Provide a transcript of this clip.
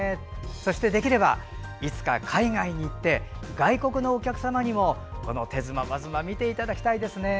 そして、できればいつか海外に行って外国のお客様にもこの手妻、和妻を見ていただきたいですね。